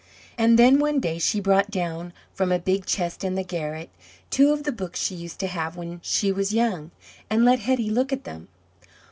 And then, one day, she brought down from a big chest in the garret two of the books she used to have when she was young, and let Hetty look at them.